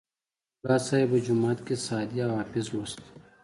ملا صیب به جومات کې سعدي او حافظ لوست.